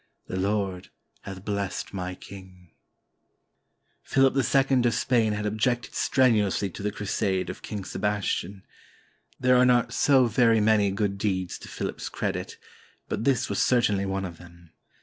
"The Lord hath blessed my King." [Philip II of Spain had objected strenuously to the crusade of King Sebastian. There are not so very many good deeds to Philip's credit; but this was certainly one of them.